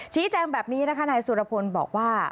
ชี้แจงแบบนี้นะคะนายสุรพลบอกว่า